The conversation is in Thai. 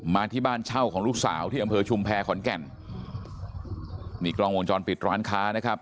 มาที่บ้านเช่าของลูกสาวที่อำเภอชุมแพรขอนแก่นนี่กล้องวงจรปิดร้านค้านะครับ